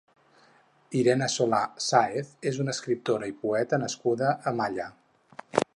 Irene Solà Sàez és una escriptora i poeta nascuda a Malla.